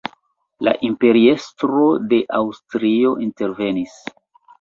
La imperiestro de Aŭstrio intervenis.